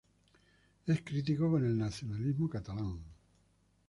Es crítico con el nacionalismo catalán.